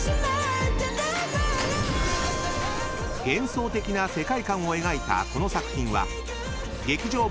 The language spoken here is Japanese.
［幻想的な世界観を描いたこの作品は］